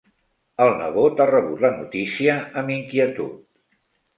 El nebot ha rebut la notícia amb inquietud.